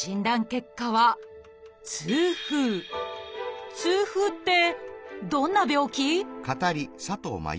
結果は「痛風」ってどんな病気？